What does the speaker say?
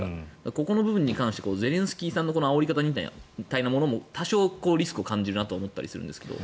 ここの部分に関してゼレンスキーさんのあおり方みたいなものも多少リスクを感じるなと思うんですけど。